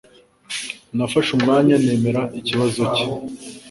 Nafashe umwanya nemera ikibazo cye.